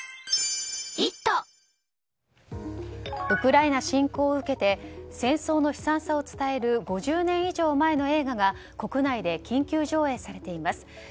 ウクライナ侵攻を受けて戦争の悲惨さを伝える５０年以上前の映画が国内で緊急上映されています。